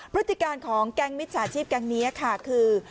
พฤติการของแก๊งมิจฉาชีพแก๊งนี้ค่ะคือ